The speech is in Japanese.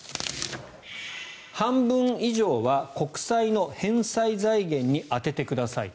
半分以上は国債の返済財源に充ててくださいと。